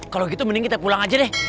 kalau gitu mending kita pulang aja deh